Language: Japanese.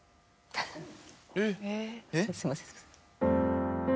フッすいません。